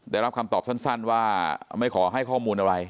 ได้รับคำตอบสั้นว่าไม่ขอให้ข้อมูลอะไร